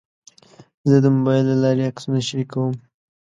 زه د موبایل له لارې عکسونه شریکوم.